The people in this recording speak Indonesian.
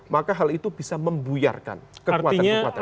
maka hal itu bisa membuyarkan kekuatan kekuatan